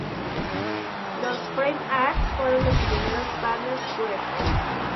Los "frame ads" fueron los primeros "banners" web.